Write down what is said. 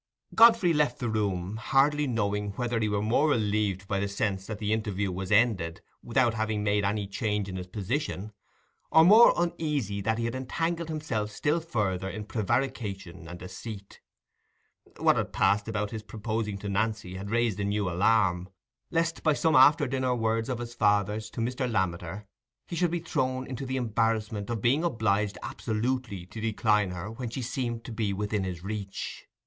Godfrey left the room, hardly knowing whether he were more relieved by the sense that the interview was ended without having made any change in his position, or more uneasy that he had entangled himself still further in prevarication and deceit. What had passed about his proposing to Nancy had raised a new alarm, lest by some after dinner words of his father's to Mr. Lammeter he should be thrown into the embarrassment of being obliged absolutely to decline her when she seemed to be within his reach.